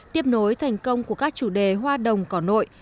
tiếp nối thành công của các chủ đề hoa đồng cỏ nội